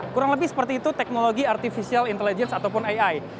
kurang lebih seperti itu teknologi artificial intelligence ataupun ai